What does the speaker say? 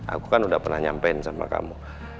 aku kan udah pernah nyampein sama kamu